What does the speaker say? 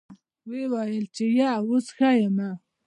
ويې ويل چې يه اوس ښه يمه.